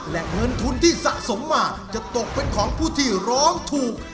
และเงินทุนที่สะสมมาจะตกเป็นของผู้ที่ร้องถูก